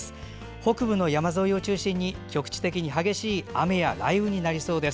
北部の山沿いを中心に局地的に激しい雨や雷雨になりそうです。